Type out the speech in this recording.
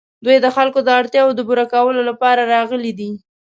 دوی د خلکو د اړتیاوو د پوره کولو لپاره راغلي دي.